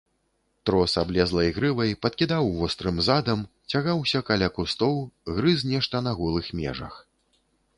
Трос аблезлай грывай, падкідаў вострым задам, цягаўся каля кустоў, грыз нешта на голых межах.